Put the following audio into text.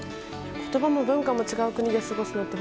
言葉も文化も違う国で過ごすのって